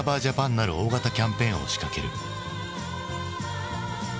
なる大型キャンペーンを仕掛ける。